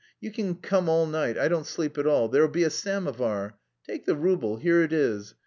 You can come all night, I don't sleep at all. There'll be a samovar. Take the rouble, here it is.